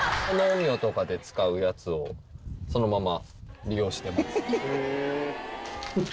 農業とかで使うやつをそのまま利用してます。